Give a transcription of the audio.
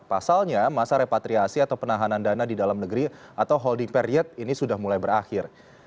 pasalnya masa repatriasi atau penahanan dana di dalam negeri atau holding period ini sudah mulai berakhir